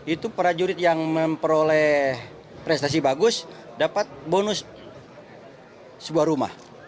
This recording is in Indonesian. itu prajurit yang memperoleh prestasi bagus dapat bonus sebuah rumah